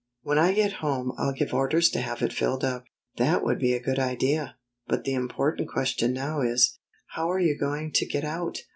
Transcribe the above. '' When I get home I'll give orders to have it filled up." ''That would be a good idea. But the im portant question now is, How are you going to get out?